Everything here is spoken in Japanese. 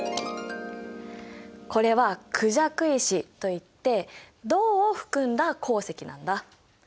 これはクジャク石といって銅を含んだ鉱石なんだ。